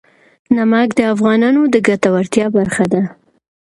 نمک د افغانانو د ګټورتیا برخه ده.